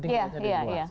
jadi saya di luar